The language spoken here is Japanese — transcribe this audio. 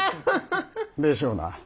でしょうな。